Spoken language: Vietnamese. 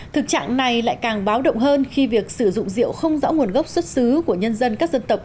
thực trạng này lại càng báo động hơn khi việc sử dụng rượu không rõ nguồn gốc xuất xứ của nhân dân các dân tộc